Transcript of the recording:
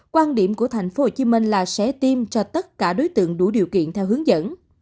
quan điểm của tp hcm là sẽ tiêm cho tất cả đối tượng đủ điều kiện theo hướng dẫn